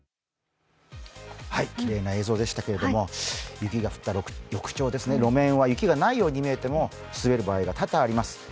きれいな映像でしたけれども、雪が降った翌朝、路面は雪がないように見えても滑る場合が多々あります。